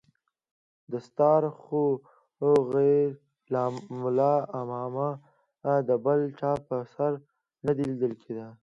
دستار خو غير له ملا امامه د بل چا پر سر نه ليدل کېده.